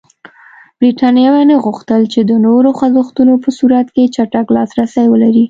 برېټانویانو غوښتل چې د نورو خوځښتونو په صورت کې چټک لاسرسی ولري.